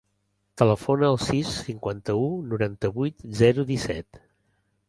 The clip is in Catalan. Telefona al sis, cinquanta-u, noranta-vuit, zero, disset.